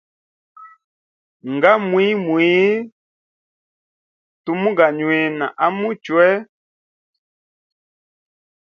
Nga mwiimwii, tumu ganywina a muchwe.